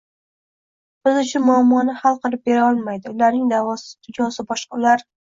biz uchun muammoni hal qilib bera olmaydi: ularning dunyosi boshqa, ular